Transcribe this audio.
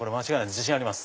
自信あります。